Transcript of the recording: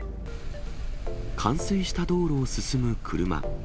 冠水した道路を進む車。